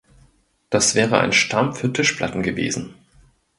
Das wäre ein Stamm für Tischplatten gewesen.